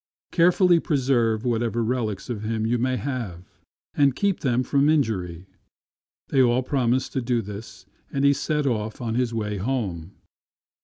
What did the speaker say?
Carefully preserve whatever relics of him you may have, and keep them from injury." They all promised to do this, and he then set off on his way home.